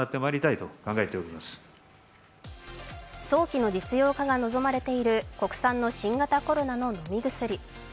早期の実用化が望まれている国産の新型コロナの飲み薬。